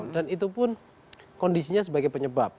dan itu pun kondisinya sebagai penyebab